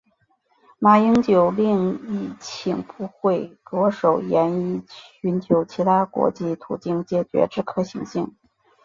马英九另亦请部会着手研议寻求其他国际途径解决之可行性。